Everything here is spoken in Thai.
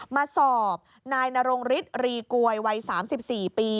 มาสอบนายนรงฤทธิรีกวยวัย๓๔ปี